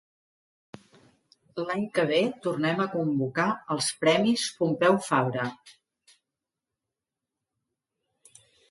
L'any que ve tornem a convocar els premis Pompeu Fabra.